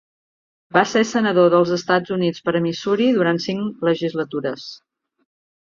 Va ser senador dels Estats Units per a Missouri durant cinc legislatures.